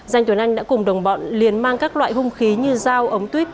danh tuấn anh đã cùng đồng bọn liền mang các loại hung khí như dao ống tuyết